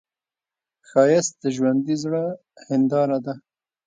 ښایست د ژوندي زړه هنداره ده